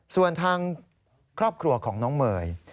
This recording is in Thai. ส่วนทางครอบครัวของน้องเมย์